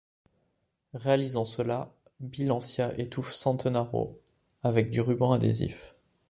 Réalisant cela, Bilancia étouffe Centanaro avec du ruban adhésif.